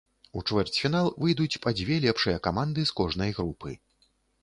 У чвэрцьфінал выйдуць па дзве лепшыя каманды з кожнай групы.